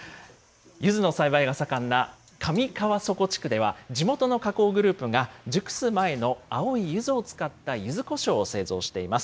ゆずの栽培が盛んな上川底地区では、地元の加工グループが熟す前の青いゆずを使ったゆずこしょうを製造しています。